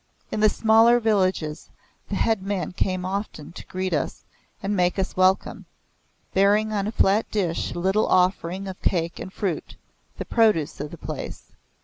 In the smaller villages, the head man came often to greet us and make us welcome, bearing on a flat dish a little offering of cakes and fruit, the produce of the place.